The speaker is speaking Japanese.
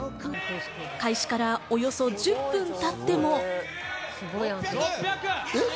開始からおよそ１０分たっても。